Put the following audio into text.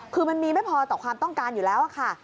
คือมันมีไม่พอต่อความต้องการอยู่แล้วค่ะ